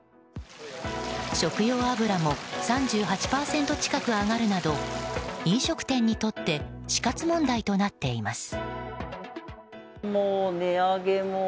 食用油も３８％近く上がるなど飲食店にとって死活問題となっています。